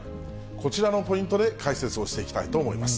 こちらのポイントで解説をしていきたいと思います。